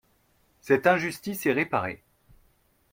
Cette injustice est réparée.